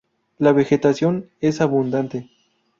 La vegetación es abundante.